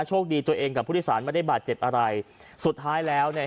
โชคดีตัวเองกับผู้โดยสารไม่ได้บาดเจ็บอะไรสุดท้ายแล้วเนี่ย